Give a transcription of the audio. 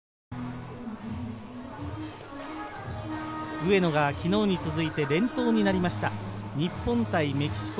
上野が昨日に続いて連投になりました日本対メキシコ。